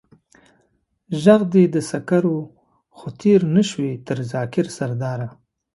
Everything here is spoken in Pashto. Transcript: ژغ دې د سکر و، خو تېر نه شوې تر ذاکر سرداره.